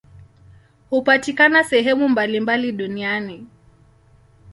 Hupatikana sehemu mbalimbali duniani.